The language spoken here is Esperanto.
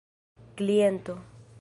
kliento